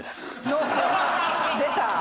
出た。